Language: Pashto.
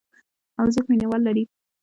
او زیات مینوال لري.